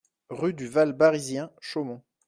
Rue du Val Barizien, Chaumont